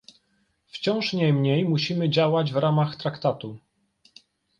Wciąż niemniej musimy działać w ramach Traktatu